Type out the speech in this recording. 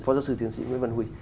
phó giáo sư tiến sĩ nguyễn văn huy